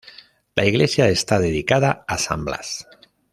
La iglesia está dedicada a san Blas.